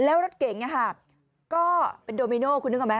แล้วรถเก๋งก็เป็นโดมิโนคุณนึกออกไหม